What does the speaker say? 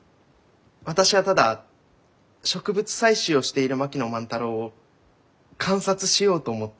私はただ植物採集をしている槙野万太郎を観察しようと思って。